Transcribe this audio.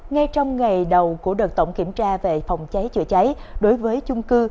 ngay trong ngày đầu của đợt tổng kiểm tra về phòng cháy chữa cháy đối với chung cư